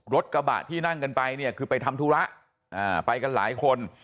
รถกระบะที่นั่งกันไปเนี่ยคือไปทำธุระไปกันหลายคน